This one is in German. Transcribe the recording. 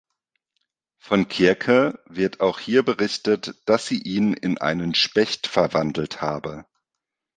Von Kirke wird auch hier berichtet, dass sie ihn in einen Specht verwandelt habe.